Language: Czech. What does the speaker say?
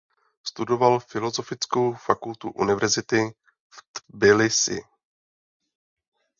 Studoval filozofickou fakultu univerzity v Tbilisi.